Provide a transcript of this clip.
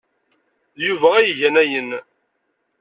D Yuba ay igan ayen.